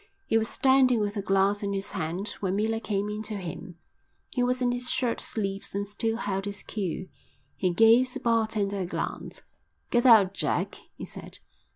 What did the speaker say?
He was standing with the glass in his hand when Miller came in to him. He was in his shirt sleeves and still held his cue. He gave the bar tender a glance. "Get out, Jack," he said.